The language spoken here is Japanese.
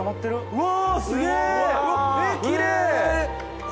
「うわ！」